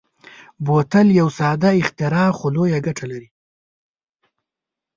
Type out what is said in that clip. بوتل یو ساده اختراع خو لویه ګټه لري.